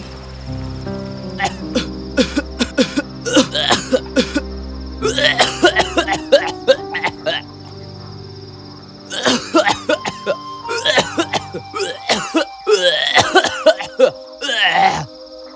parang terus beryang sillu